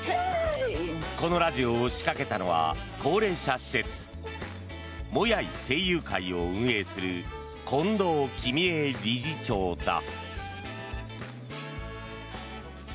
このラジオを仕掛けたのは高齢者施設もやい聖友会を運営する権頭喜美恵理事長だ。